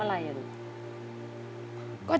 เพลงที่สองเพลงมาครับ